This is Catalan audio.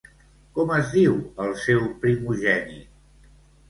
Com es diu el seu primogènit?